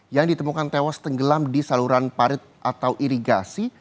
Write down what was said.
yang ditemukan tewas tenggelam di saluran parit atau irigasi